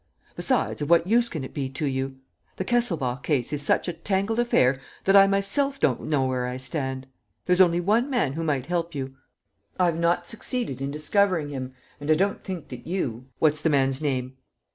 Besides, of what use can it be to you? The Kesselbach case is such a tangled affair that I myself don't know where I stand. There's only one man who might help you. I have not succeeded in discovering him. And I don't think that you ..." "What's the man's name?"